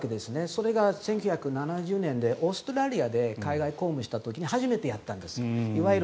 それが１９７０年でオーストラリアで海外公務した時に始めてやったんです。